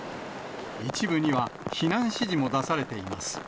一部には避難指示も出されています。